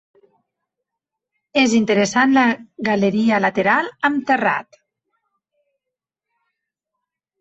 És interessant la galeria lateral amb terrat.